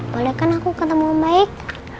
boleh kan aku ketemu baik